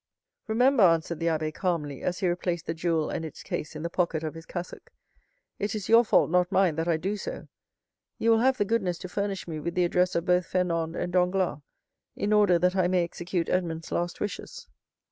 "Remember," answered the abbé calmly, as he replaced the jewel and its case in the pocket of his cassock, "it is your fault, not mine, that I do so. You will have the goodness to furnish me with the address of both Fernand and Danglars, in order that I may execute Edmond's last wishes."